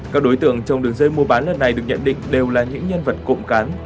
các đối tượng trong đường dây mua bán lần này được nhận định đều là những nhân vật cộng cán